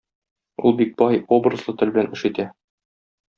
Ул бик бай, образлы тел белән эш итә.